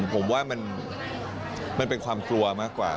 ผมว่ามันเป็นความกลัวมากกว่า